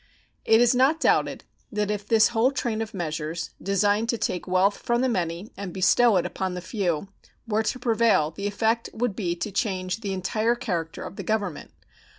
It is not doubted that if this whole train of measures, designed to take wealth from the many and bestow it upon the few, were to prevail the effect would be to change the entire character of the Government.